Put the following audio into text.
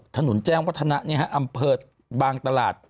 ถนนแจ้วธนปรักเก็ตอำเภอบางตลาด